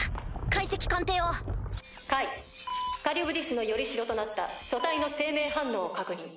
解カリュブディスのより代となった素体の生命反応を確認。